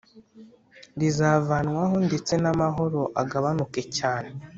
rizavanwaho ndetse n'amahoro agabanuke cyane